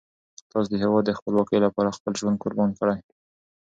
تاسو د هیواد د خپلواکۍ لپاره خپل ژوند قربان کړئ.